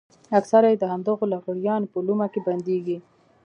اکثره يې د همدغو لغړیانو په لومه کې بندېږي.